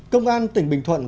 công an tỉnh bình thuận